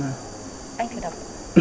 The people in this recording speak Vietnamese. anh thử đọc